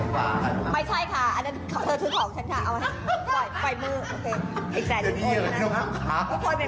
ฉันนับได้๑๐๘